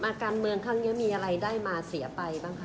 การเมืองครั้งนี้มีอะไรได้มาเสียไปบ้างคะ